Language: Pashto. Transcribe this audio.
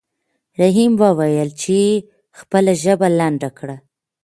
رحیم وویل چې خپله ژبه لنډه کړه.